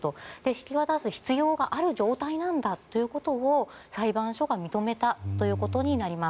引き渡す必要がある状態なんだということを裁判所が認めたということになります。